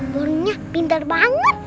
burungnya pintar banget